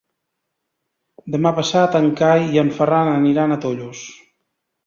Demà passat en Cai i en Ferran aniran a Tollos.